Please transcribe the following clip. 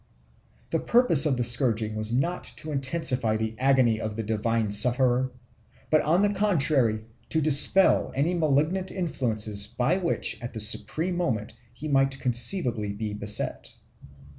The purpose of the scourging was not to intensify the agony of the divine sufferer, but on the contrary to dispel any malignant influences by which at the supreme moment he might conceivably be beset.